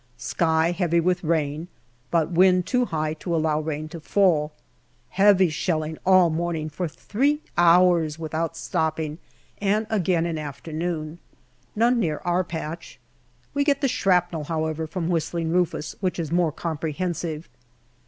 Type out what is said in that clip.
Sky heavy with rain, but wind too high to allow rain to fall. Heavy shelling all morning for three hours without stopping, and again in afternoon. None near our patch. We get the shrapnel, however, from " Whistling Rufus," which is more comprehensive.